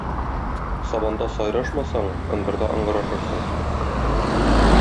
Сaбaндa сaйрaшмaсaң, ындырдa ыңгырaшырсың.